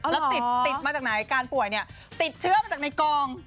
แล้วติดมาจากไหนการป่วยเนี่ยติดเชื้อมาจากในกอง